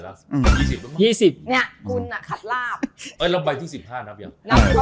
๒๐เนี่ยคุณอะขัดลาบเอ้ยแล้วบ่ายที่๑๕นับยัง